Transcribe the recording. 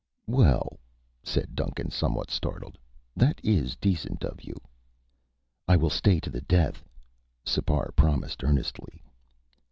"Well," said Duncan, somewhat startled, "that is decent of you." "I will stay to the death," Sipar promised earnestly.